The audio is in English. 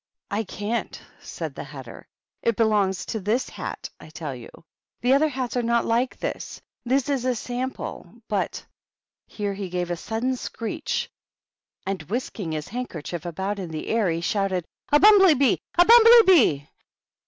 " I can't," said the Hatter. " It belongs to this hat, I tell you. The other hats are not like this ; this is a sample. But " Here he gave a sudden screech, and, whisking THE BISHOPS. hie handkerchief about in the air, he shouted, "A bumbly bee! A bumbly bee